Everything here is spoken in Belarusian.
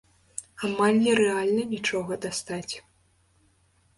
Амаль нерэальна нічога дастаць.